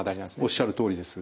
おっしゃるとおりです。